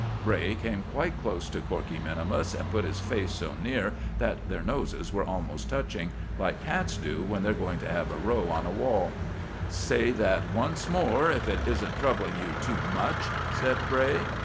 Bray came quite close to Corkey minimus, and put his face so near that their noses were almost touching, like cats do when they're going to have a row on a wall. "Say that just once more if it isn't troubling you too much," said Bray.